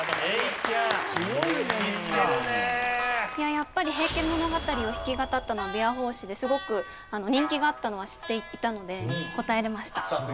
やっぱり『平家物語』を弾き語ったのは琵琶法師ですごく人気があったのは知っていたので答えられました。